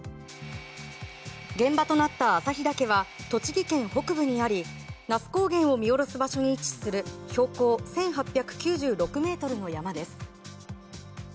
現場となった朝日岳は栃木県北部にあり那須高原を見下ろす場所に位置する標高１８９６ｍの山です。